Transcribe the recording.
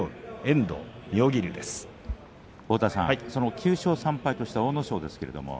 ９勝３敗とした阿武咲です。